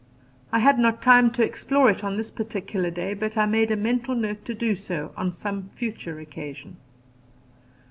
I had not time to explore it on this particular day, but I made a mental note to do so on some future occasion.